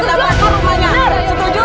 kita pakar rumahnya setuju